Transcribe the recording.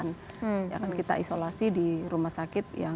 yang akan kita isolasi di rumah sakit yang